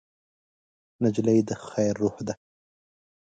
نجلۍ د خیر روح ده.